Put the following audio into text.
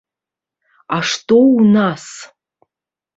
А што у нас?